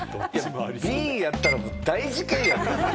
Ｂやったら大事件やん！